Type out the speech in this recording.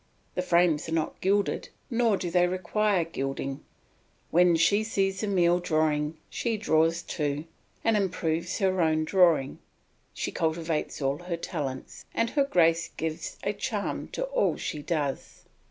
The frames are not gilded, nor do they require gilding. When she sees Emile drawing, she draws too, and improves her own drawing; she cultivates all her talents, and her grace gives a charm to all she does.